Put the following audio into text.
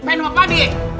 ngapain sama pak dek